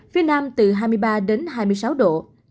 phía nam từ hai mươi ba đến hai mươi sáu độ